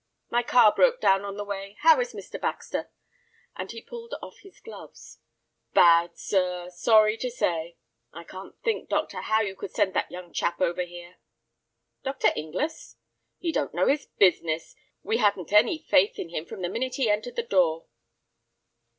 "My car broke down on the way. How is Mr. Baxter?" and he pulled off his gloves. "Bad, sir, sorry to say. I can't think, doctor, how you could send that young chap over here." "Dr. Inglis?" "He don't know his business; we hadn't any faith in him from the minute he entered the door."